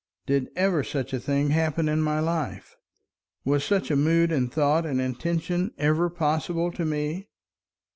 Did ever such a thing happen in my life? Was such a mood and thought and intention ever possible to me?